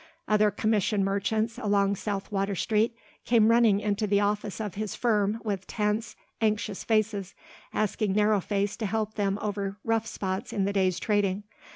Other commission merchants along South Water Street came running into the office of his firm with tense, anxious faces asking Narrow Face to help them over rough spots in the day's trading.